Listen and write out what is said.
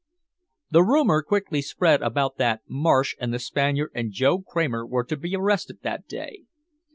The rumor quickly spread about that Marsh and the Spaniard and Joe Kramer were to be arrested that day.